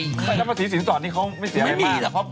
ถ้าภาษีสินสอดนี่เขาไม่เสียอะไรมาก